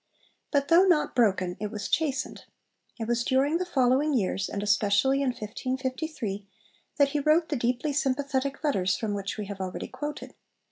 But, though not broken, it was chastened. It was during the following years, and especially in 1553, that he wrote the deeply sympathetic letters from which we have already quoted.